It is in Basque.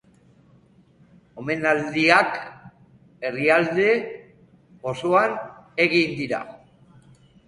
Omenaldiak herrialde osoan egin dira.